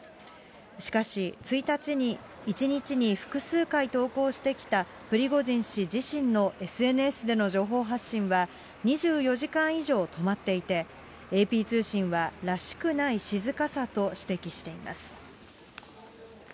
しかし、１日に複数回投稿してきたプリゴジン氏自身のＳＮＳでの情報発信は、２４時間以上止まっていて、ＡＰ通信は、らしくない静かさと指摘しています。